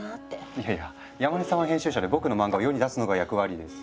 いやいや山根さんは編集者で僕のマンガを世に出すのが役割です。